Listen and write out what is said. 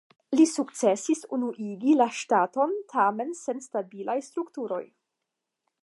Li sukcesis unuigi la ŝtaton, tamen sen stabilaj strukturoj.